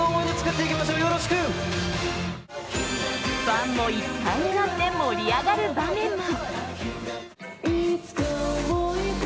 ファンも一体になって盛り上がる場面も。